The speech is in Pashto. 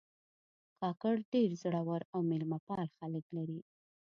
کاکړ ډېر زړور او میلمهپال خلک لري.